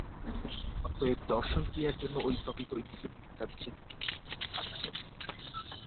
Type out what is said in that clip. অতএব দর্শনক্রিয়ার জন্য ঐ প্রকৃত ইন্দ্রিয়টি থাকা বিশেষ আবশ্যক।